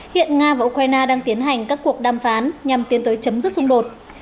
hiện nga và ukraine đang tiến hành các cuộc đàm phán nhằm tiến tới chấm dứt xung đột